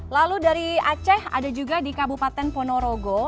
lalu dari aceh ada juga di kabupaten ponorogo